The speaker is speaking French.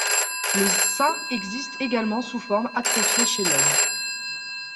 Le sein existe également sous forme atrophiée chez l'homme.